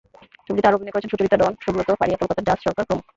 ছবিটিতে আরও অভিনয় করেছেন সুচরিতা, ডন, সুব্রত, ফারিয়া, কলকাতার জাস সরকার প্রমুখ।